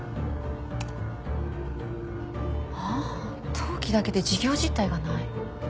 登記だけで事業実態がない。